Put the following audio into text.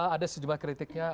ada sejumlah kritiknya